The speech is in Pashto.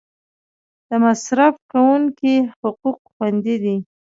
د مصرف کونکو حقوق خوندي دي؟